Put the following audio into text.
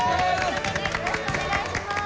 よろしくお願いします。